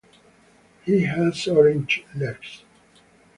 He has orange legs.